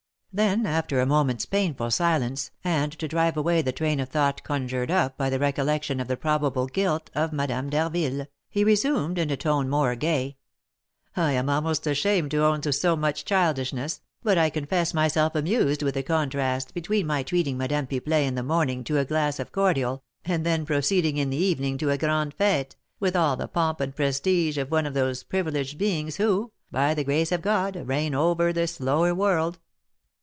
Then, after a moment's painful silence, and to drive away the train of thought conjured up by the recollection of the probable guilt of Madame d'Harville, he resumed, in a tone more gay: "I am almost ashamed to own to so much childishness, but I confess myself amused with the contrast between my treating Madame Pipelet in the morning to a glass of cordial, and then proceeding in the evening to a grand fête, with all the pomp and prestige of one of those privileged beings who, by the grace of God, 'reign over this lower world.'